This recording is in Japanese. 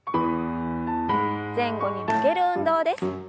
前後に曲げる運動です。